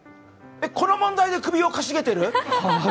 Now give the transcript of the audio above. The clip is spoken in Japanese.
この問題で首をかしげてる！？